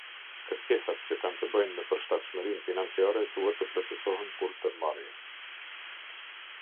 Kërkesat që kanë të bëjnë me përshtatshmërinë financiare duhet të plotësohen kur ndërmarrja.